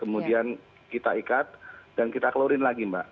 kemudian kita ikat dan kita klorin lagi mbak